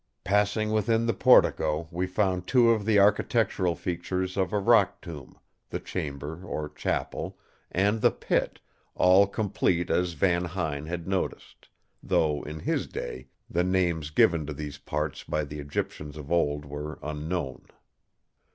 Passing within the portico, we found two of the architectural features of a rock tomb, the Chamber, or Chapel, and the Pit, all complete as Van Huyn had noticed, though in his day the names given to these parts by the Egyptians of old were unknown.